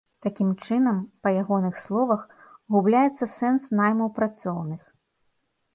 Такім чынам, па ягоных словах, губляецца сэнс найму працоўных.